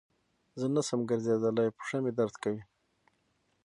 زه نسم ګرځیدلای پښه مي درد کوی.